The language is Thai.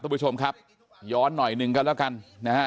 คุณผู้ชมครับย้อนหน่อยหนึ่งกันแล้วกันนะฮะ